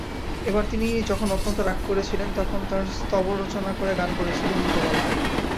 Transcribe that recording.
এবার তিনি যখন অত্যন্ত রাগ করেছিলেন তখন তাঁর স্তবরচনা করে গান করেছিলুম– নৃপবালা।